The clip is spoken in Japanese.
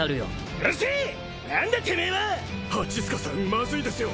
まずいですよ！